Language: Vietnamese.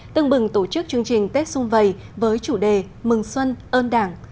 tương bừng tổ chức chương trình tết xung vầy với chủ đề mừng xuân ơn đảng